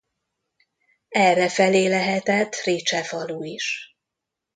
Errefelé lehetett Ricse falu is.